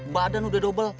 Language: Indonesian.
badan udah dobel